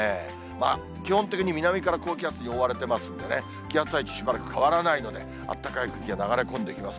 まあ、基本的に南から高気圧に覆われてますんでね、気圧配置、しばらく変わらないので、あったかい空気が流れ込んできます。